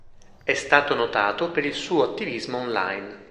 È stato notato per il suo attivismo online.